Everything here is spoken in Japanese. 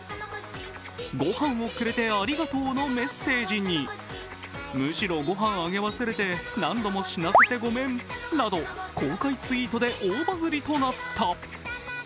「ごはんをくれてありがとう」のメッセージに「むしろご飯あげ忘れて何度も死なせてごめん」など、後悔ツイートで大バズりとなった。